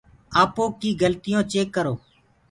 آپو ڪيٚ گلتٚيونٚ چيڪ ڪرو۔